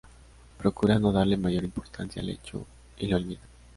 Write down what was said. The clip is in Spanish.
Procura no darle mayor importancia al hecho, y lo olvida.